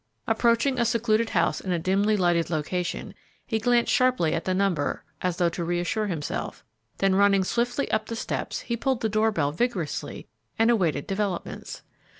Approaching a secluded house in a dimly lighted location, he glanced sharply at the number, as though to reassure himself, then running swiftly up the front steps, he pulled the door bell vigorously and awaited developments.